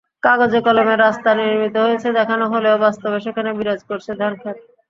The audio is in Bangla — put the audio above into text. কাগজে-কলমে রাস্তা নির্মিত হয়েছে দেখানো হলেও বাস্তবে সেখানে বিরাজ করছে ধানখেত।